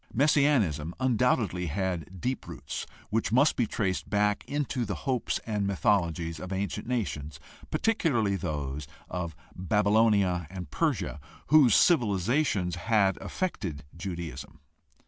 Messianism undoubtedly had deep roots which must be traced back into the hopes and mythologies of ancient nations, particularly those of Baylonia and Persia, whose civilizations had affected Judaism.